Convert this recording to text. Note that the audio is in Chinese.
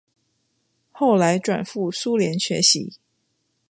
后来转赴苏联学习。